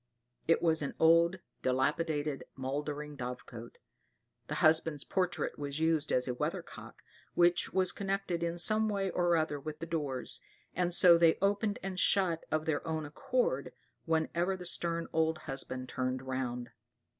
It was an old, dilapidated, mouldering dovecot. The husband's portrait was used as a weather cock, which was connected in some way or other with the doors, and so they opened and shut of their own accord, whenever the stern old husband turned round.